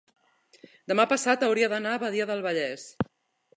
demà passat hauria d'anar a Badia del Vallès.